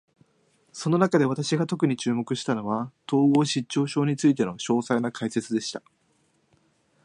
その中で、私が特に注目したのは、統合失調症についての詳細な解説でした。